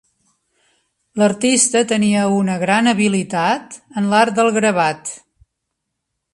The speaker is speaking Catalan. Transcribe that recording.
L'artista tenia una gran habilitat en l'art del gravat.